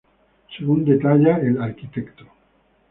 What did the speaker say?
Según detalla el Arq.